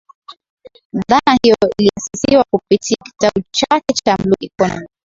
Dhana hiyo iliasisiwa kupitia kitabu chake cha blue Ecomomy